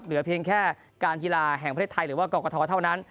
เหลือเพียงแค่การกีฬาแห่งประเทศไทยหรือว่ากรกฐเท่านั้น